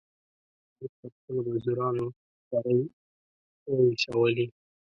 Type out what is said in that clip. احمد پر خپلو مزدورانو خورۍ واېشولې.